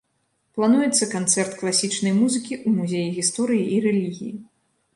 Плануецца канцэрт класічнай музыкі ў музеі гісторыі і рэлігіі.